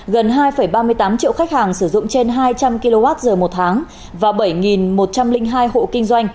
gần hai ba mươi tám triệu khách hàng sử dụng trên hai trăm linh kwh một tháng và bảy một trăm linh hai hộ kinh doanh